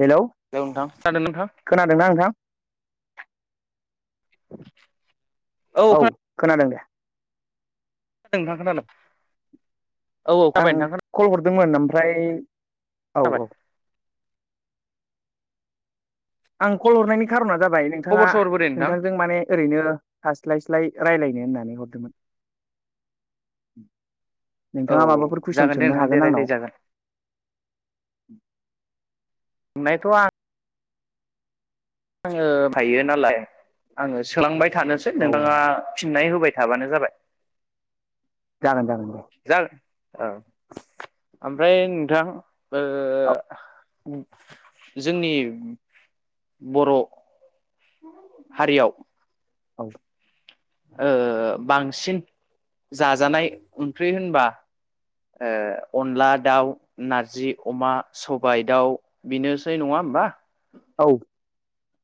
Hello नोंथां खोनादों नोंथां खोनादोंना नोंथां? औ खोनादों दे। खोनादों नोंथां खोनादों। औ खोनाबाय आं नोंथां कल हरदोंमोन ओमफ्राय औ खोनाबाय औ आं कल हरनायनि खारना जाबाय नोंथाङा खबर सबर बोरै नोंथां नोंथांजों माने ओरैनो थास्लायस्लाय रायलायनो होननानै हरदोंमोन। औ नोंथाङा माबाफोर कुइसन जागोन दे सोंनो नोंथां दे हागोन रायज्लाय आंनाव। [inaudible] जागोन सोंनायथ' आ ङो हायो नालाय आङो सोलांबाय थानोसै औ औ नोंथाङा फिननाय होबाय थाबानो जाबाय। जागोन जागोन। दे जागोन औ ओमफ्राय नोंथां ओ औ जोंनि बर' हारियाव औ ओ बांसिन जाजानाय ओंख्रि होनबा ओ अनला दाउ, नारजि अमा, सबाय दाउ बेनोसै नङा होनबा? औ।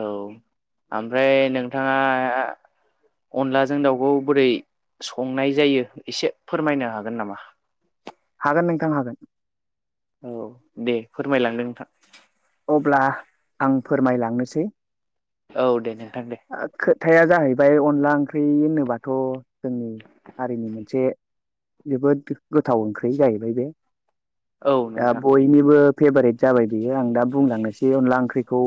औ ओमफ्राय नोंथाङा अनलाजों दाउखौ बोरै संनाय जायो एसे फोरमायनो हागोन नामा? हागोन नोंथां, हागोन ‌। औ दे फोरमायलांदो नोंथां। अब्ला आं फोरमायलांनोसै। औ देनो। ओ खोथाया जाहैबाय अनला ओंख्रि होनोबाथ' जोंनि हारिनि मोनसे जोबोद गोथाव ओंख्रि जाहैबाय बे औ दा नोंथां बयनिबो फेभारेट जाबाय बियो। आं दा बुंलांनोसै अनला ओंख्रिखौ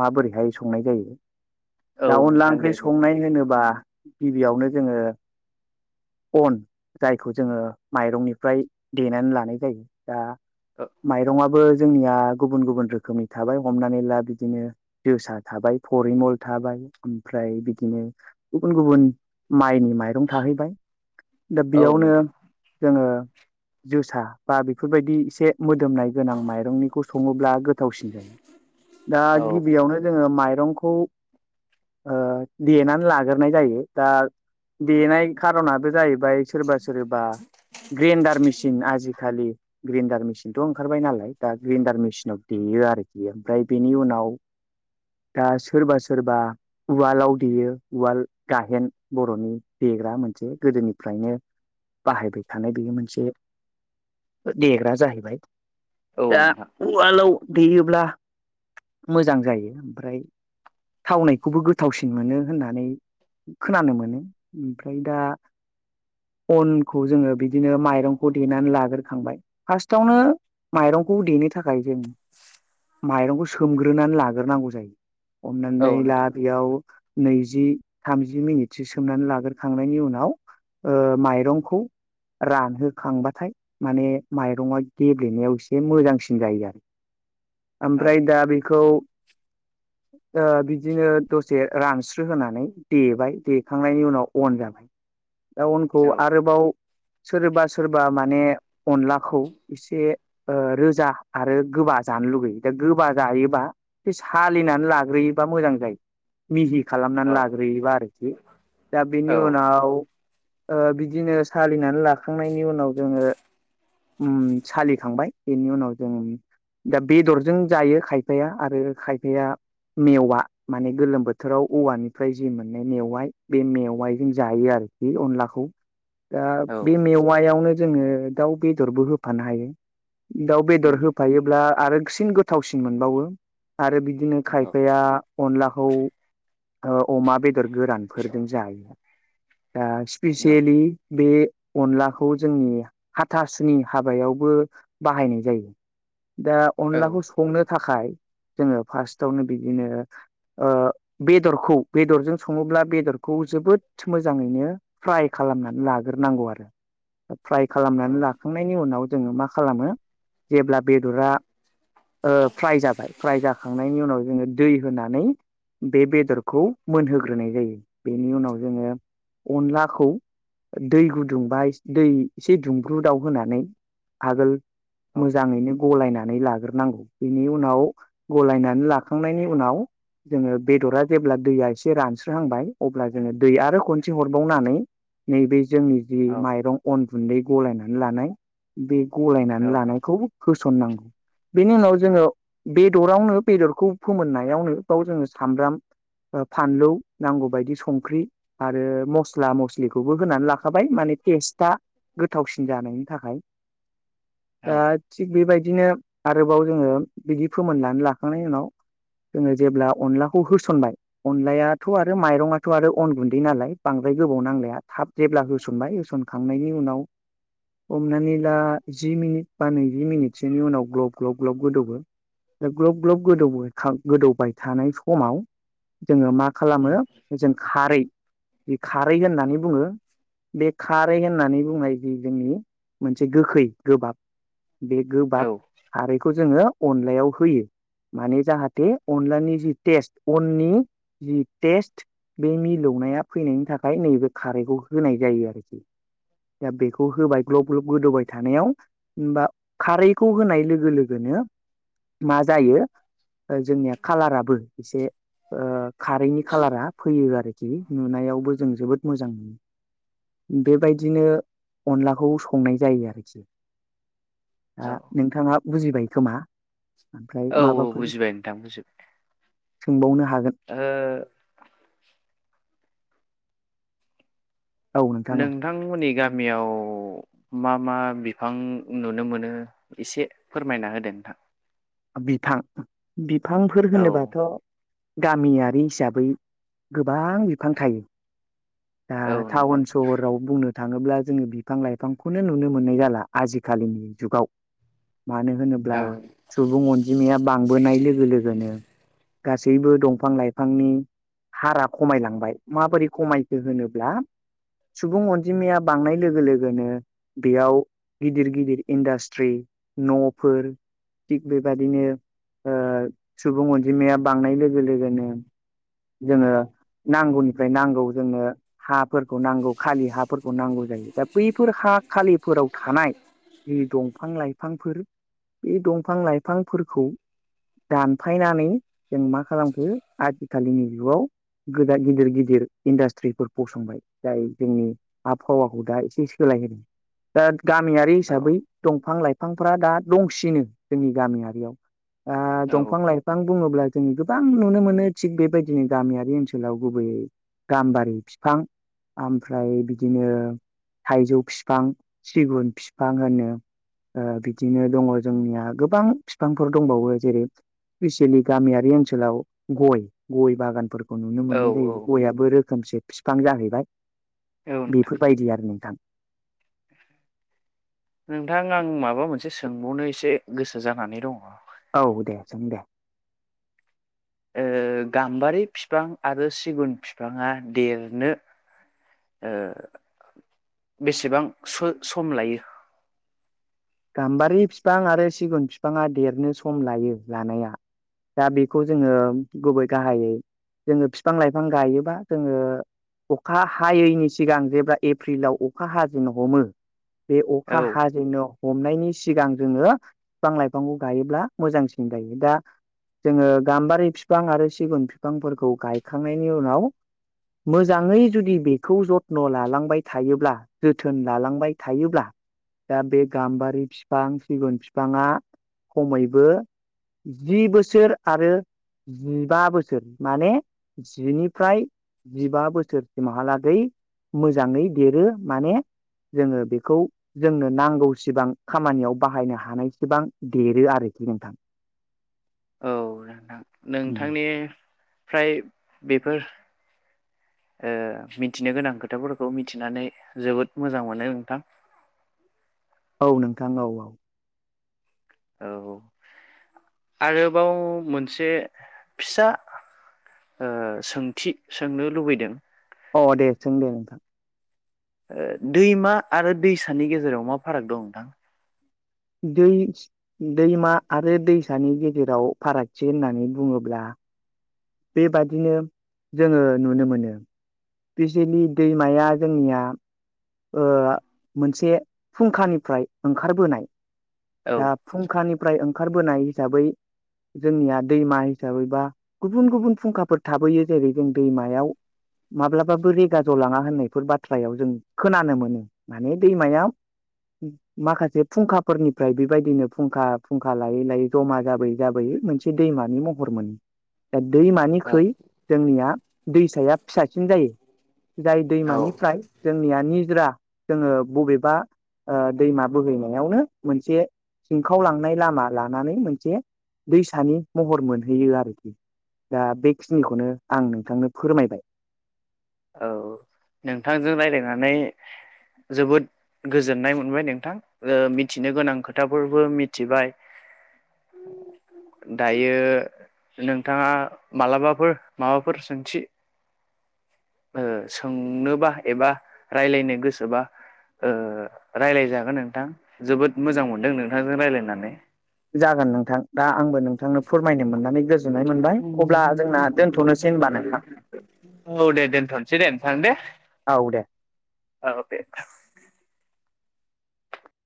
माबोरैहाय संनाय जायो औ दा अनला नोंथां दे ओंख्रि बुं संनाय होनोबा गिबियावनो जोङो अन जायखौ जोङो माइरंनिफ्राय देनानै लानाय जायो दा माइरंआबो जोंनिया गुबुन-गुबुन रोखोमनि थाबाय हमनानै ला बिदिनो जोसा थाबाय फरिमल थाबाय ओमफ्राय बिदिनो गुबुन-गुबुन माइनि माइरं थाहैबाय दा औ बेयावनो नोंथां जोङो जोसा बा बेफोरबायदि इसे मोदोमनाय गोनां माइरंनिखौ सङोब्ला गोथावसिन जायो दा औ गिबियावनो जोङो माइ रंखौ ओ देनानै लागोरनाय जायो दा देनाय खारनाबो जाहैबाय सोरबा सोरबा ग्रेन्डार मिसिन आजिखालि ग्रेन्दार मिसिनथ' ओंखारबाय नालाय दा ग्रेन्दार मिसिनाव देयो आरोखि। ओमफ्राय बिनि उनाव दा सोरबा सो रबा उवालाव देयो उवाल गाहेन बर'नि देग्रा मोनसे गोदोनिफ्राय नो बाहायबाय थानाय बेयो मोनसे देग्रा जाहैबाय औ दा नोंथां उवालाव दैेयोब्ला मोजां जायो ओमफ्राय थावनायखौबो गोथावसिन मोनो होननानै खोनानो मोनो। ओमफ्राय दा अनखौ जोङो बिदिनो माइरंखौ देनानै लाग्रोखांबाय फास्टआवनो माइरंखौ देनो थाखाय जों माइरंखौ सोमग्रोनानै लाग्रोनांगौ जायो औ हमनानै ला‌ नोंथां बेयाव नैजि थामजि मिनिटसो सोमनानै लाग्रोखांनायनि उनाव ओ माइरंखौ रानहोखांबाथाय माने माइरङा गेब्लेनायाव एसे मोजांसिन जायो आरो औ ओमफ्राय दा बेखौ बिदिनो दसे रानस्रो होनानै देबाय देखांनायनि उनाव अन जाबाय। [inaudible] दा अनखौ औ आरोबाव सोरबा सोरबा माने अनलाखौ इसे रोजा आरो गोबा जानो लुगैयो दा गोबा जायोबा बे सालिनानै लाग गुरैबा मोजां जायो। मिहि खालामनानै औ लाग्रोयोबा आरोखि दा बेनि औ उनाव बिदिनो सालिनानै लाखांनायनि उनाव जोङो उम सालिखांबाय बेनि उनाव जों दा बेदरजों जायो खायफाया आरो खायफाया मेवा माने गोलोम बोथोराव औवानिफ्राय जि मोननाय मेवाइ बे मेवाइजों जायो आरो बे अनलाखौ दा औ बे मेवायावनो जोङो दाउ बेदरबो होफानो हायो। दाउ बेदर उम होफायोब्ला आरोसिन गोथावसिन मोनबावो आरो बिदिनो खाय औ आफाया अनलाखौ अमा बेदर गोरानफोरजों जायो। दा औ औ स्पिसियेलि बे अनलाखौ जोंनि हाथासुनि हाबायावबो बाहायनाय जायो। दा औ अनलाखौ संनो थाखाय जोङो फार्स्टआवनो बिदिनो ओ बेदरखौ बेदरजों सङोब्ला बेदरखौ जोबोद मोजाङै बिनो फ्राय खालामनानै लाग्रोनांगौ आरो फ्राय खालामनानै लाखांनायनि उनाव जोङो मा खालामो जेब्ला बेदरा फ्राय जाबाय फ्राय जाखांनायनि उनाव जोङो दै होनानै बे बेदरखौ मोनहोग्रोनाय जायो बेनि उनाव जोङो अनलाखौ दै गुदुंबा दै एसे दुंब्रु दाव होनानै आगोल औ मोजाङैनो गलायनानै लाग्रोनांगौ बेनि उनाव गलायनानै ला होखांनायनि उनाव जोङो बेदरा जेब्ला दैया एसे रानस्रोहांबाय अब्ला जोङो दै आरो खनसे हरबावनानै नै बे जोंनि जि औ माइरं अन गुन्दै गलायनानै लानाय बे गलायनानै औ लानायखौबो होसननांगौ बेनि उनाव जोङो बेदरावनो बेदरखौ फोमोननायावनो बेाव जोङो सामब्राम फानलौ नांगौ बायदि संख्रि। आरो मस्ला मस्लिखौबो होनानै लाखाबाय माने टेस्टआ गोथावसिन जानायनि थाखाय [inaudible] औ दा थिग बेबायदिनो आरोबाव जोङो बिदि फोमोननानै लाखांनायनि उनाव जोङो जेब्ला अनलाखौ होसनबाय अनलायाथ' आरो माइरङाथ' आरो अन गुन्दै नालाय बांद्राय गोबाव। गोबाव नांलाया थाब जेब्ला होसनबाय होसनखांनायनि उनाव हमनानै ला जि मिनिट बा नैजि मिनिटसोनि उनाव ग्लब ग्लब ग्लब गोदौहो। ग्लप ग्लप गोदौवयो। गोदौबाय थानाय समाव जोङो मा खालामो उम जों खारै बे खारै होननानै बुङो। बे खारै होननानै बुंनाय जि जोंनि मोनसे गोखै गोबाब बे औ गोबाब खारैखौ जोङो अनलायाव होयो माने जाहाथे दे अनलानि जि टेस्ट अननि जि टेस्ट बे मिलौनाया फैनायनि थाखाय थाखाय नैबे खारैखौ होनाय जायो आरोखि। दा बेखौ होबाय ग्लब ग्लब गोदौबाय थानायाव हबा खारैखौ होनाय लोगो लोगोनो मा जायो जोंनिया खालाराबो एसे ओ खारैनि खालारा फैयो आरोखि, नुनायावबो जों जोबोद मोजां मोनो। बेबायदिनो अनलाखौ संनाय जायो आरोखि। दा औ नोंथाङा बुजिबाय खोमा? ओमफ्राय औ माबाफोर बुजिबाय नोंथां बुजिबाय सोंबावनो हागोन ओ औ नोंथां औ नोंथांमोननि गामियाव मा मा बिफां नुनो मोनो एसे फोरमायना होदो नोंथां बिफां बिफांफोर होनोबाथ' गामियारि हिसाबै गोबां बिफां नोंथां थायो। दा औ टाउन नोंथां सहराव बुं नो थाङोब्ला जोङो बिफां-लाइफांखौनो नुनो मोननाय जाला आजिखालिनि जुगाव। मानो होनोब्ला औ सुबुं अनजिमाया बांबोनाय लोगो लोगोनो गासैबो दंफां-लाइफांनि हारा खमायलांबाय माबोरै खमाय खो होनोब्ला सुबुं अनजिमाया बांनाय लोगो-लोगोनो बेयाव गिदिर गिदिर इन्डास्ट्रि न'फोर थिग बेबादिनो ओ सुबुं अनजिमाया बांनाय लोगो लोगोनो जोङो नांगौनिफ्राय नांगौ जोंनो हाफोरखौ नांगौ खालि हाफोरखौ नांगौ जायो दा बैफोर हा खालिफोराव थानाय जि दंफां लाइफांफोर बे दंफां लाइफांफोरखौ दानफायनानै जों मा खालामखो आजिखालिनि जुगाव गोदा गिदिर गिदिर इन्डास्ट्रिफोर फसंबाय जाय जोंनि आबहावाखौ दा एसे सोलायहोदों। दा गामियारि औ हिसाबै दंफां लाइफांफ्रा दा दंसिनो जोंनि गामियारियाव आ औ दंफां लाइफां बुङोब्ला जोंङो गोबां नुनो मोनो थिग बेबायदिनो गामियारि ओनसोलाव गुबैयै गाम्बारि बिफां, ओमफ्राय बिदिनो थाइजौ बिफां, सिगुन बिफां होनो बिदिनो दङ जोंनिया गोबां बिफांफोर दंबावो जेरै- स्पिसेयेलि गामियारि ओनसलाव गय गय बागानफोरखौ नुनो औ मोननाय जायो औ गइयाबो रोखोमसे बिफां जाहैबाय नोंथां बेफोरबायदि आरो नोंथां नोंथां आं माबा मोनसे सोंबावनो एसे गोसो जानानै दङ औ दे सों दे ओ गाम्बारि फिफां आरो सिगुन फिफाङा देरनो ओ बेसेबां सम लायो? गाम्बारि फिफां आरो सिगुन बिफाङा देरनो सम लायो लानाया दा बेखौ जोङो गुबै गाहायै जोङो बिफां लाइफां गायोबा जोङो अखा हायैनि सिगां जेब्ला एप्रिलाव अखा हाजेननो हमो बे औ अखा हाजेननो हमनायनि सिगां जोङो बिफां लाइफांखौ गायोब्ला मोजांसिन जायो। दा जोङो गाम्बारि फिफां आरो सिगुन फिफांफोरखौ गायखांनायनि उनाव मोजाङै जुदि बेखौ जथ्न' लालांबाय थायोब्ला जोथोन लालांबाय थायोब्ला दा बे गाम्बारि बिफां, सिगुन बिफां खमैबो जि बोसोर आरो जिबा बोसोर माने जिनिफ्राय जिबा बोसोरसिमहा ला गै मोजाङै देरो माने जोङो बेखौ जोंनो नांगौ बेसेबां खामानियाव बाहायनो हानायसिबां देरो आरोखि नोंथां औ नोंथां नोंथांनि फ्राय बेफोर ओ मिथिनो गोनां खोथाफोरखौ मिथिनानै जोबोद मोजां मोनो नोंथां औ नोंथां औ औ औ आरोबाव मोनसे फिसा ओ सोंथि सोंनो लुबैदों अ दे सों दे नोंथां ओ दैमा आरो दैसानि गेजेराव मा फाराग दं नोंथां? दै दैमा आरो दैसानि गेजेराव फारागथि होननानै बुङोब्ला बेबादिनो जोङो नुनो मोनो पिसेलि दैमाया जोंनिया ओ मोनसे फुंखानिफ्राय ओंखारबोनाय दा औ फुंखानिफ्राय ओंख ओंखारबोनाय हिसाबै जोंनिया दैमा हिसाबै बा गुबुन गुबुन फुंखाफोर थाबोयो जेरै जों दैमायाव माब्लाबाबो रेगा जलाङा होननायफोर बाथ्रायाव जों खोनानो मोनो माने दैमायाव माखासे फुंखाफोरनिफ्राय बेबायदिनो फुंखा फुंखा लायै लायै जमा जाबोयै जाबोयै मोनसे दैमानि महर मोनो दा दैमानिख्रुइ जोंनिया दैसाया फिसासिन जायो जाय औ दैमानिफ्राय जोंनिया निज जोरा जोङो बबेबा ओ दैमा बोहैनायावनो मोनसे सिंखावलांनाय लामा लानानै मोनसे दैसानि महर मोनहैयो आरोखि दा बेखिनिखौनो आं नोंथांनो फोरमायबाय औ नोंथांजों रायलायनानै जोबोद गोजोननाय मोनबाय नोंथां ओ मिथिनो गोनां खोथाफोरबो मिथिबाय [inaudible] दायो नोंथाङा मालाबाफोर माबाफोर सोंथि ओ सोंनोबा एबा रायलायनो गोसोबा ओ रायलायजागोन नोंथां जोबोद मोजां मोनदों नोंथांजों रायलायनानै जागोन नोंथां। दा आंबो नोंथांनो फोरमायनो मोननानै गोजोननाय औ मोनबाय अब्ला जोंना दोनथनोसै होनबा नोंथां औ दे दोनथनोसै दे नोंथां दे औ दे औ दे